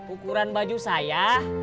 ukuran baju saya